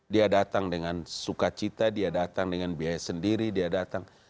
dia datang dengan sukacita dia datang dengan biaya sendiri dia datang